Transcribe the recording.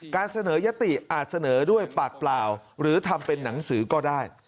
การเสนอยติอาจเสนอด้วยปากเปล่าหรือทำเป็นหนังสือก็ได้